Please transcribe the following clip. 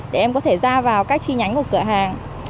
để em có thể ra vào các chi nhánh của cửa hàng